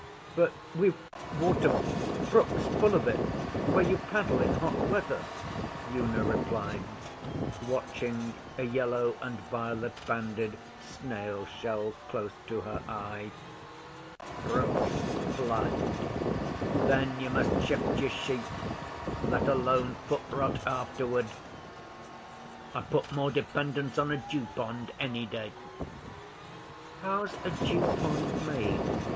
'But we've water brooks full of it where you paddle in hot weather,' Una replied, watching a yellow and violet banded snail shell close to her eye. 'Brooks flood. Then you must shift your sheep let alone foot rot afterward. I put more dependence on a dew pond any day.' 'How's a dew pond made?